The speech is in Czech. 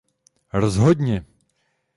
Rozhodně!